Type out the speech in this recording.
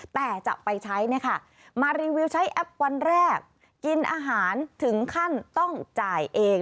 แต่จะไปใช้เนี่ยค่ะมารีวิวใช้แอปวันแรกกินอาหารถึงขั้นต้องจ่ายเอง